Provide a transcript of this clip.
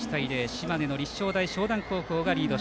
島根の立正大淞南高校がリード。